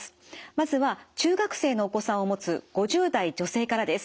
まずは中学生のお子さんを持つ５０代女性からです。